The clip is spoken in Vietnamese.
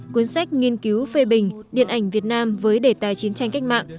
cuốn sách nghiên cứu phê bình điện ảnh việt nam với đề tài chiến tranh cách mạng